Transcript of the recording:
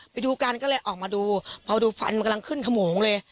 ไปดูกันก็เลยออกมาดูพอดูฟันมันกำลังขึ้นขโมงเลย